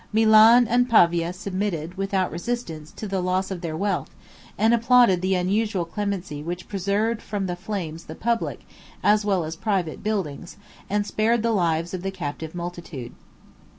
Milan and Pavia submitted, without resistance, to the loss of their wealth; and applauded the unusual clemency which preserved from the flames the public, as well as private, buildings, and spared the lives of the captive multitude.